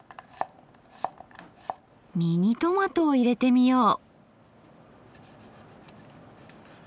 ミニトマトを入れてみよう。